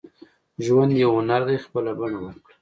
• ژوند یو هنر دی، خپله بڼه ورکړه.